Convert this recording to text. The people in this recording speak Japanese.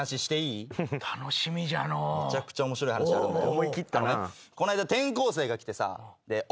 めちゃくちゃ面白い話あるんだよ。